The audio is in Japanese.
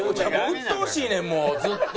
うっとうしいねんもうずっと！